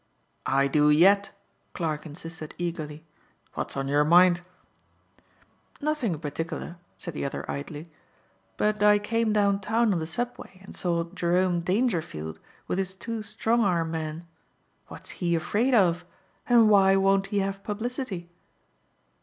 "I do yet," Clarke insisted eagerly. "What's on your mind?" "Nothing in particular," said the other idly, "but I came downtown on the subway and saw Jerome Dangerfield with his two strong arm men. What's he afraid of? And why won't he have publicity?"